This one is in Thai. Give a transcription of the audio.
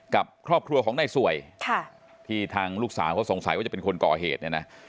กับครอบครัวของนายสวยที่ทางลูกสาวเขาสงสัยว่าจะเป็นคนก่อเหตุเนี่ยนะ